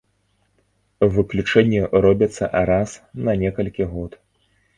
Выключэнні робяцца раз на некалькі год.